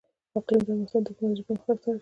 اقلیم د افغانستان د تکنالوژۍ پرمختګ سره تړاو لري.